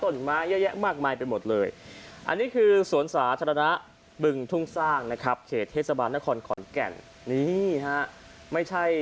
นี่เลยนี่เห็นไหม